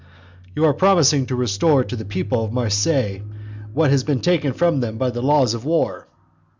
"You are promising to restore to the people of Marseilles what has been taken from them by the laws of war."